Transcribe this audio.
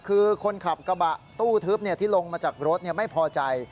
คือคนขับกระบะตู้ทึบที่ลงมาจากรถไม่พอใจ